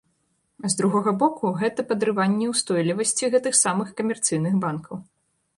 А з другога боку, гэта падрыванне ўстойлівасці гэтых самых камерцыйных банкаў.